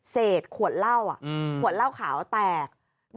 เศษขวดเหล้าขวดเหล้าขาวแตก